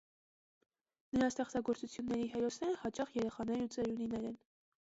Նրա ստեղծագործությունների հերոսները հաճախ երեխաներ ու ծերունիներ են։